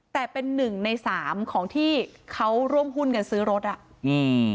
แต่เป็นหนึ่งในสามของที่เขาร่วมหุ้นกันซื้อรถอ่ะอืม